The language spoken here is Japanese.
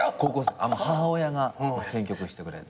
母親が選曲してくれて。